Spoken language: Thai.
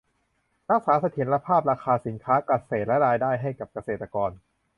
รักษาเสถียรภาพราคาสินค้าเกษตรและรายได้ให้กับเกษตรกร